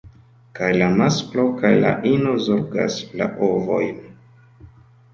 Kaj la masklo kaj la ino zorgas la ovojn.